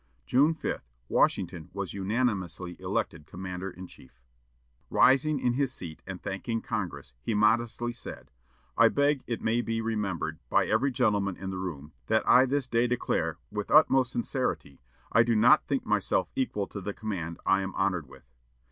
June 5, Washington was unanimously elected commander in chief. Rising in his seat, and thanking Congress, he modestly said: "I beg it may be remembered by every gentleman in the room that I this day declare, with the utmost sincerity, I do not think myself equal to the command I am honored with.